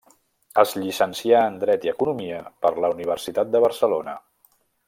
Es llicencià en dret i economia per la Universitat de Barcelona.